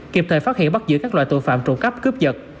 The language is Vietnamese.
kịp thời phát hiện bắt giữ các loại tội phạm trộm cắp cướp giật